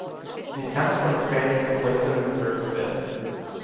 The attempts from the Spaniards to place them in reserves failed.